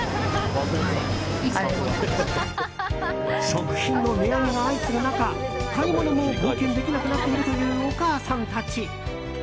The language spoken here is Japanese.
食品の値上げが相次ぐ中買い物も冒険できなくなっているというお母さんたち。